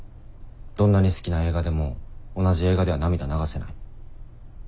どんなに好きな映画でも同じ映画では涙流せない。